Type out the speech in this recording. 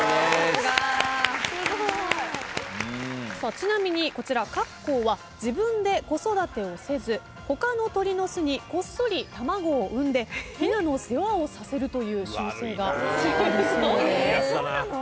ちなみにこちらカッコウは自分で子育てをせず他の鳥の巣にこっそり卵を産んでひなの世話をさせるという習性があるそうです。